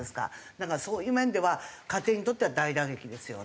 だからそういう面では家庭にとっては大打撃ですよね。